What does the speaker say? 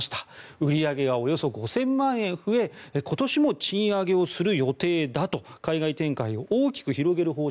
売り上げがおよそ５０００万円増え今年も賃上げをする予定だと海外展開を大きく広げる方針。